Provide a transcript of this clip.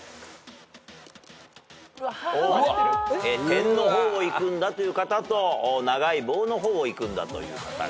点の方をいくんだという方と長い棒の方をいくんだという方が。